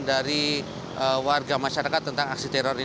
dari warga masyarakat tentang aksi teror ini